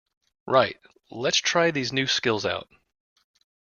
Right, lets try these new skills out!